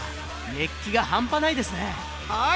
熱気が半端ないですねはい。